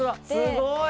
すごい！